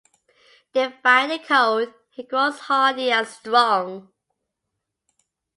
Defying the cold, he grows hardy and strong.